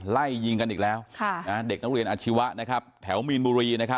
ไล่ยิงกันอีกแล้วเด็กนักเรียนอาชีวะแถวมีนบุรี